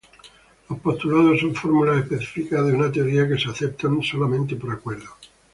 Los postulados son fórmulas específicas de una teoría que se aceptan solamente por acuerdo.